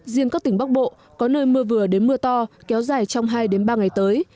riêng các tỉnh bắc bộ có nơi mưa vừa đến mưa to kéo dài trong hai ba ngày tới